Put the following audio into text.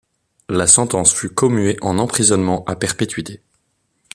La sentence fut commuée en emprisonnement à perpétuité.